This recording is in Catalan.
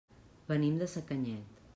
Venim de Sacanyet.